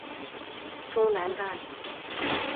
中南大羚。